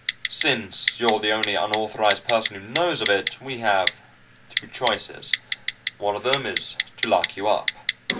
Since you're the only unauthorized person who knows of it, we have two choices. One of them is to lock you up."